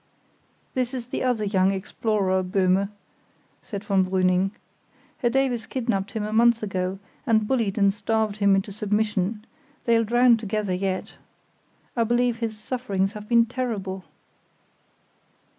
"This is the other young explorer, Böhme," said von Brüning. "Herr Davies kidnapped him a month ago, and bullied and starved him into submission; they'll drown together yet. I believe his sufferings have been terrible."